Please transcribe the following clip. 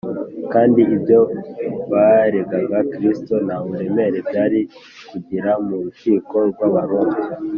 kandi ibyo baregaga Kristo nta buremere byari kugira mu rukiko rw’Abaroma.